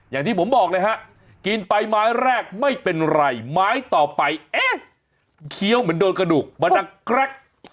อย่างที่ผมบอกเลยฮะกินไปไม้แรกไม่เป็นไรไม้ต่อไปเอ๊ะเคี้ยวเหมือนโดนกระดูกมาดังแกรก